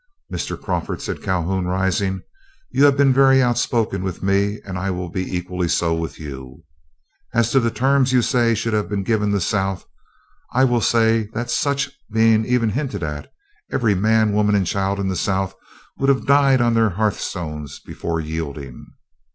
"Mr. Crawford," said Calhoun, rising, "you have been very outspoken with me, and I will be equally so with you. As to the terms you say should have been given the South, I will say that had such been even hinted at, every man, woman, and child in the South would have died on their hearthstones before yielding.